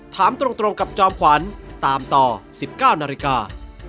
ถามตรงกับจอมขวัญตามต่อ๑๙นาฬิกา